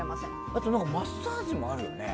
あと、マッサージもあるよね。